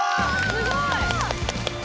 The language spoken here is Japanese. すごい！